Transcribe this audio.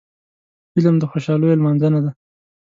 فلم د خوشحالیو لمانځنه ده